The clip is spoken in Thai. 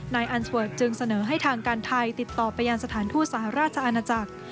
อันสวดจึงเสนอให้ทางการไทยติดต่อไปยังสถานทูตสหราชอาณาจักร